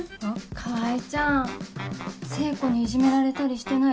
川合ちゃん聖子にいじめられたりしてない？